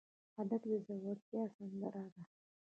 هلک د زړورتیا سندره ده.